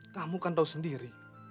kamu kan tahu sendiri